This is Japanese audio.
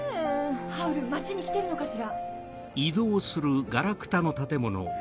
ハウル町に来てるのかしら？